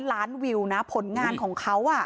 ๔๐๐ล้านวิวนะผลงานของเขาอ่ะ